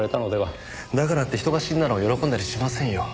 だからって人が死んだのを喜んだりしませんよ。